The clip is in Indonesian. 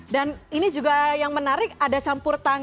dan ini juga yang menarik ada campuran